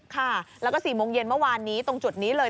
ค่ะแล้วก็๔โมงเย็นเมื่อวานนี้ตรงจุดนี้เลย